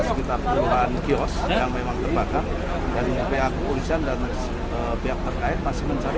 sekitar puluhan kios yang memang terbakar dan pihak kepolisian dan pihak terkait masih mencari